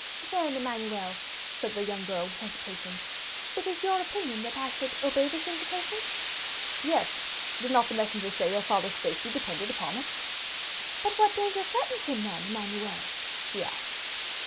"Then, Emmanuel?" said the young girl with hesitation, "it is your opinion that I should obey this invitation?" "Yes. Did not the messenger say your father's safety depended upon it?" "But what danger threatens him, then, Emmanuel?" she asked.